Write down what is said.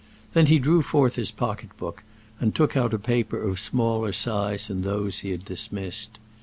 Then he drew forth his pocket book and took out a paper of smaller size than those he had dismissed.